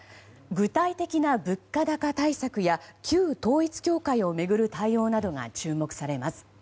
具体的な物価高対策や旧統一教会を巡る対応などが注目されます。